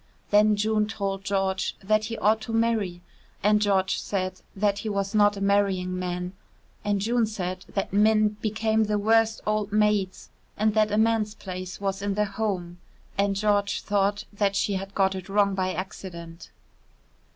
Then June told George that he ought to marry, and George said that he was not a marrying man, and June said that men became the worst old maids and that a man's place was in the home and George thought that she had got it wrong by accident.